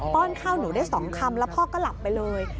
้อนข้าวหนูได้๒คำแล้วพ่อก็หลับไปเลย